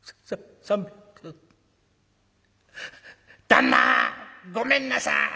旦那ごめんなさい！」。